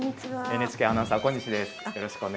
ＮＨＫアナウンサー小西です。